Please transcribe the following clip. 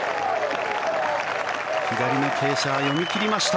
左の傾斜、読み切りました。